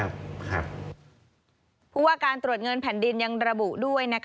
เพราะว่าการตรวจเงินแผ่นดินยังระบุด้วย